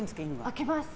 開けます。